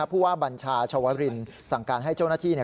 ผู้ว่าบัญชาชวรินสั่งการให้เจ้าหน้าที่